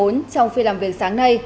trong phiên làm việc sáng nay